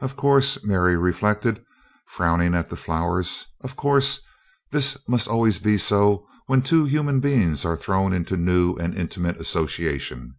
Of course, Mary reflected, frowning at the flowers of course, this must always be so when two human beings are thrown into new and intimate association.